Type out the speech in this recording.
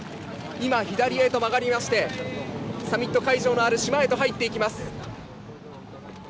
今、左へと曲がりまして、サミット会場のある島へと入っていきます。